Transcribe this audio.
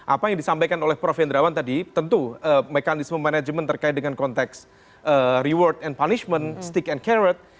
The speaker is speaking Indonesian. apa yang disampaikan oleh prof hendrawan tadi tentu mekanisme manajemen terkait dengan konteks reward and punishment stick and carrot